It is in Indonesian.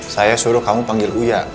saya suruh kamu panggil buya